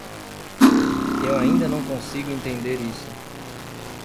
Eu ainda não consigo entender isso.